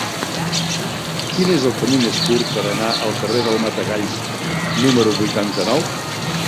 Quin és el camí més curt per anar al carrer del Matagalls número vuitanta-nou?